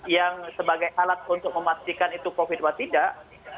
yang sebagai alat untuk memastikan itu covid atau tidak